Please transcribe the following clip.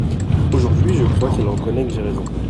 Aujourd’hui, je crois qu’elle reconnaît que j’ai raison.